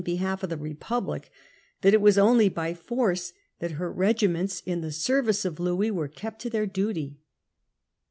behalf of the Republic that it was only by force that her regiments in the service of Louis were kept to their duty.